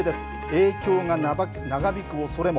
影響が長引くおそれも。